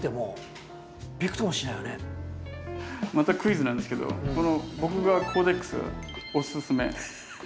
またクイズなんですけどこの僕がコーデックスおススメ